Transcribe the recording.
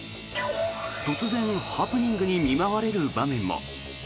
突然、ハプニングに見舞われる場面も。